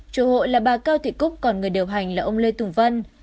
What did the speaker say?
chủ hội là bà cao thị cúc còn người điều hành là ông lê tùng vân